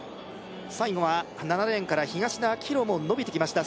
最後は７レーンから東田旺洋も伸びてきました